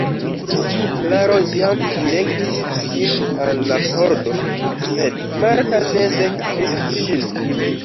Klaro jam direktis sin al la pordo, sed Marta ne sekvis ŝin.